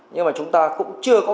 nhưng mà chúng ta cũng chưa có